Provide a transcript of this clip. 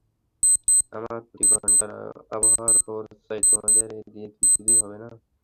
আমার প্রতি ঘন্টার আবহাওয়ার খবর চাই, তোমাদের দিয়ে কি কিছুই হবে না?